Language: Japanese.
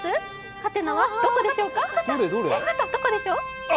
「ハテナ」はどこでしょうか？